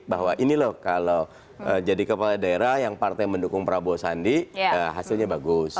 bahwa ini loh kalau jadi kepala daerah yang partai mendukung prabowo sandi hasilnya bagus